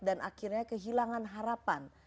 dan akhirnya kehilangan harapan